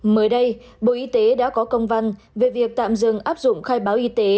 mới đây bộ y tế đã có công văn về việc tạm dừng áp dụng khai báo y tế